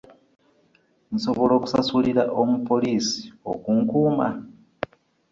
Nsobola okusasulira omupoliisi okunkuuma?